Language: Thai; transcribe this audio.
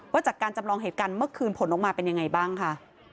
จากการจำลองเหตุการณ์เมื่อคืนผลออกมาเป็นยังไงบ้างค่ะ